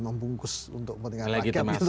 membungkus untuk kepentingan rakyat